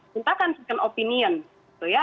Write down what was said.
minta kan opinion itu ya